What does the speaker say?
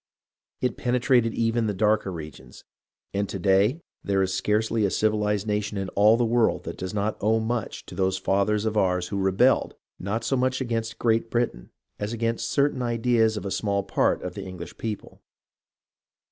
It penetrated even the darker regions, and to day there is scarcely a civilized nation in all the world that does not owe much to those fathers of ours who rebelled, not so much against Great Britain, as against certain ideas of a small part of the English people.